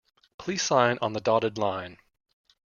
Please sign on the dotted line.